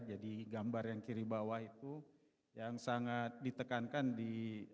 gambar yang kiri bawah itu yang sangat ditekankan di